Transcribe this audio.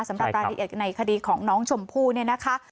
สำหรับรายละเอียดในคดีของน้องชมพู่เนี่ยนะคะ